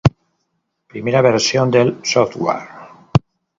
Primera versión del software.